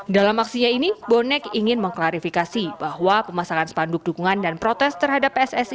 dalam aksinya ini bonek ingin mengklarifikasi bahwa pemasangan spanduk dukungan dan protes terhadap pssi